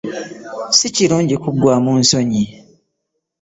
Si kirungi ku gwamu nsonyi.